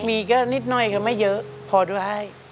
มีก็นิดหน่อยก็ไม่เยอะพอด้วยให้